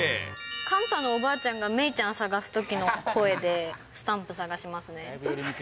カンタのおばあちゃんがメイちゃん捜すときの声で、スタンプ探しますね。